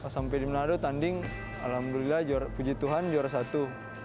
sampai di manado tanding alhamdulillah puji tuhan juara satu